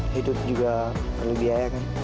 hidup juga perlu biaya kan